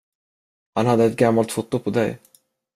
Han hade ett gammalt foto på dig.